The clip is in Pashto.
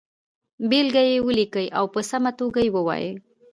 بېلګه یې ولیکئ او په سمه توګه یې ووایئ.